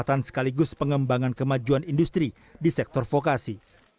percepatan sekaligus pengembangan kemajuan industri di sektor fokasi